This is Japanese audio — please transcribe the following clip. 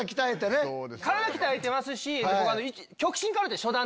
体鍛えてますし。